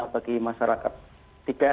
bagi masyarakat tidak